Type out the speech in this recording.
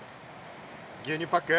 牛乳パック。